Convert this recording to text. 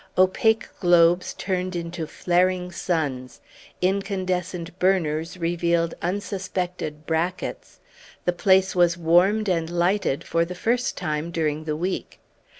Opaque globes turned into flaring suns; incandescent burners revealed unsuspected brackets; the place was warmed and lighted for the first time during the week.